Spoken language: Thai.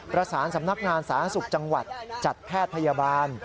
ประสานสำนักงานสาธารณสุขจังหวัดจัดแพทย์พยาบาล